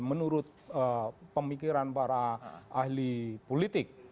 menurut pemikiran para ahli politik